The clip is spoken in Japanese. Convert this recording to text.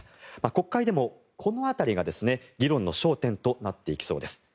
国会でも、この辺りが議論の焦点となっていきそうです。